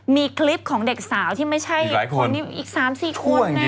มีคลิปของเด็กสาวที่ไม่ใช่อีกอีก๓๔คนชั่วจริง